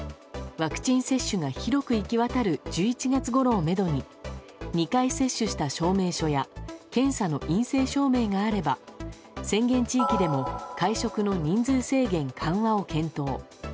ワクチン接種が広く行き渡る１１月ごろをめどに２回接種した証明書や検査の陰性証明があれば宣言地域でも会食の人数制限緩和を検討。